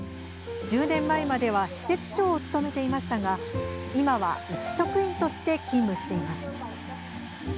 １０年前までは施設長を務めていましたが今は、いち職員として勤務しています。